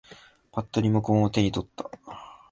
ぱっとリモコンを手に取った。